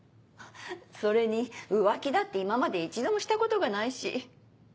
それに浮気だって今まで一度もしたことがないし。